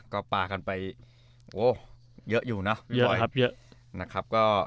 ก็ปลากันไปเยอะอยู่นะ